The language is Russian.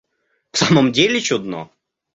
В самом деле чудно!